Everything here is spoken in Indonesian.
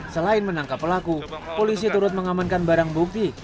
selain menangkap pelaku polisi turut mengamankan barang bukti